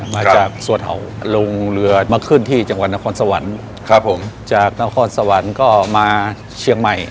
มาจากสวดเห่าลงเรือมาขึ้นที่จังหวัดนครสวรรค์ครับผมจากนครสวรรค์ก็มาเชียงใหม่